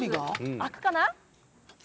開くかな？